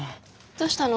どうしたの？